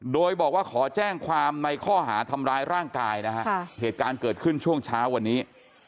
โดยบอกว่าขอแจ้งความในข้อหาทำร้ายร่างกายนะฮะเหตุการณ์เกิดขึ้นช่วงเช้าวันนี้